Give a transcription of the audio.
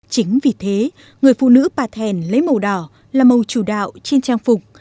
chính vì thế người phụ nữ bà thèn lấy màu đỏ là màu chủ đạo trên trang phục